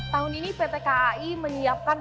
tahun ini pt kai menyiapkan